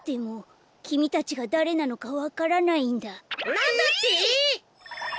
なんだって！？